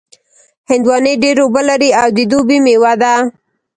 هندوانې ډېر اوبه لري او د دوبي مېوه ده.